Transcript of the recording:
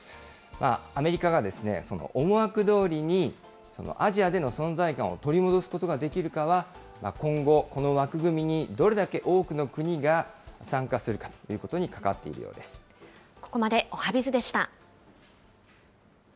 アメリカがその思惑どおりに、アジアでの存在感を取り戻すことができるかは、今後、この枠組みにどれだけ多くの国が参加するかとここまでおはＢｉｚでした。